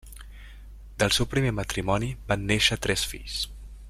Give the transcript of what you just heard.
Del seu primer matrimoni van néixer tres fills.